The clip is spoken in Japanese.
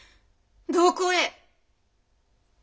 どこへ？